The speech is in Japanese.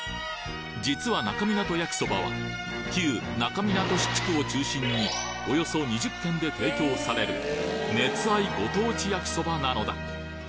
実は那珂湊焼きそばは旧那珂湊市地区を中心におよそ２０軒で提供される熱愛ご当地焼きそばなのだ